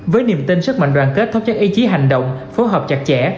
với niềm tin sức mạnh đoàn kết thấp chắc ý chí hành động phối hợp chặt chẽ